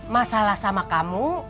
masalah sama kamu